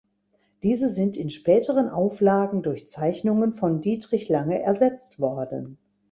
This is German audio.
Diese sind in späteren Auflagen durch Zeichnungen von Dietrich Lange ersetzt worden.